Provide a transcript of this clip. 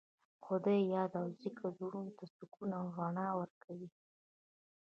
د خدای یاد او ذکر زړونو ته سکون او رڼا ورکوي.